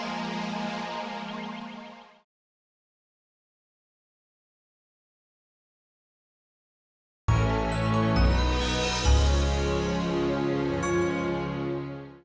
aku akan mengejar mereka